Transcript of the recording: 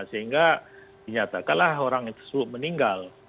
sehingga dinyatakanlah orang yang tersebut meninggal